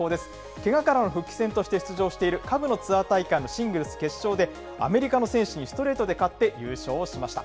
けがからの復帰戦として出場している下部のツアー大会のシングルス決勝で、アメリカの選手にストレートで勝って優勝しました。